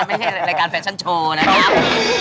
ไม่ใช่รายการแฟชั่นโชว์นะครับ